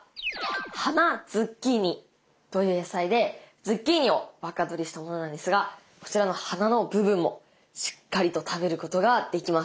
花ズッキーニという野菜でズッキーニを若どりしたものなんですがこちらの花の部分もしっかりと食べることができます。